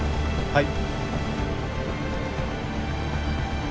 はい。